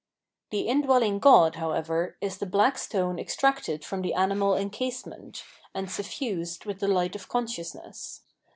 The indwelling god, however, is the black stone extracted from the animal encasement,* and suffused with the hght of consciousness.